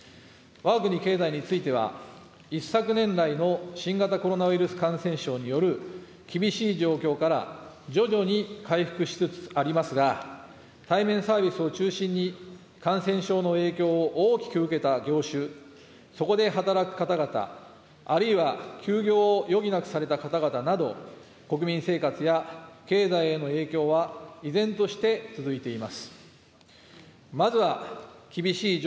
わが国経済については、一昨年来の新型コロナウイルス感染症による厳しい状況から徐々に回復しつつありますが、対面サービスを中心に、感染症の影響を大きく受けた業種、そこで働く方々、あるいは休業を余儀なくされた方々など、国民生活や経済への影響は依然として続いています。